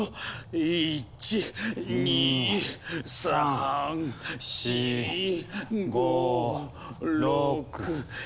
１・２・３・４・５・６・７・８。